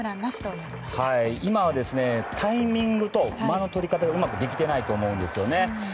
いまタイミングと間の取り方がうまくできてないと思います。